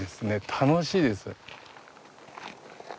楽しいです。